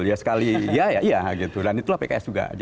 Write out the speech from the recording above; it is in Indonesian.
ya sekali ya ya gitu dan itulah pks juga